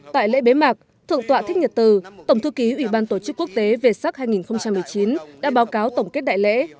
tại lễ bế mạc thượng tọa thích nhật từ tổng thư ký ủy ban tổ chức quốc tế về sắc hai nghìn một mươi chín đã báo cáo tổng kết đại lễ